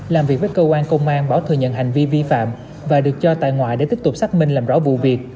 làm việc với cơ quan công an bảo thừa nhận hành vi vi phạm và được cho tại ngoại để tiếp tục xác minh làm rõ vụ việc